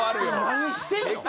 何してんの？